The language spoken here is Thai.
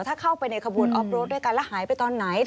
ถ้าเข้าไปในขบวนออฟโรดด้วยกันแล้วหายไปตอนไหน